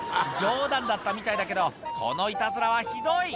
冗談だったみたいだけどこのいたずらはひどい！